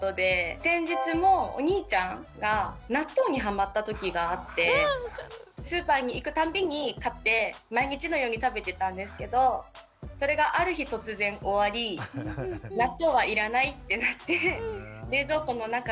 先日もお兄ちゃんが納豆にハマったときがあってスーパーに行くたんびに買って毎日のように食べてたんですけどそれがある日突然終わり納豆はいらないってなって冷蔵庫の中が納豆だらけになるっていう。